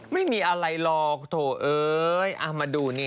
ไม่มีอะไรหรอกโถเอ้ยเอามาดูนี่